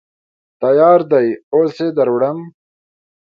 _تيار دی، اوس يې دروړم.